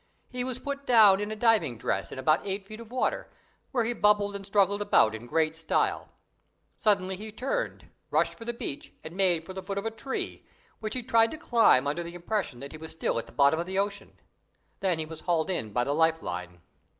He was put down in a diving dress in about eight feet of water, where he bubbled and struggled about in great style. Suddenly he turned, rushed for the beach, and made for the foot of a tree, which he tried to climb under the impression that he was still at the bottom of the ocean. Then he was hauled in by the life line.